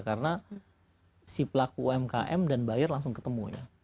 karena si pelaku umkm dan buyer langsung ketemu ya